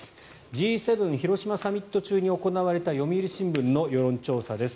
Ｇ７広島サミット中に行われた読売新聞の世論調査です。